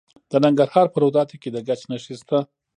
د ننګرهار په روداتو کې د ګچ نښې شته.